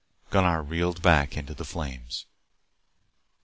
Gunnar reeled back into the flames.